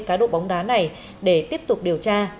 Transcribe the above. cá độ bóng đá này để tiếp tục điều tra